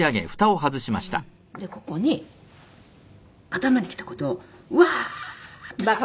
ここに頭にきた事をうわー！って叫ぶ。